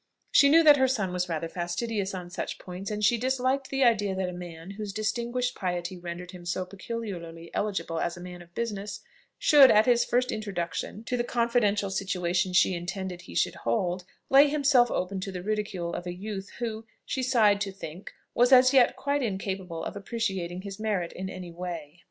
She knew that her son was rather fastidious on such points; and she disliked the idea that a man, whose distinguished piety rendered him so peculiarly eligible as a man of business, should, at his first introduction to the confidential situation she intended he should hold, lay himself open to the ridicule of a youth, who, she sighed to think, was as yet quite incapable of appreciating his merit in any way.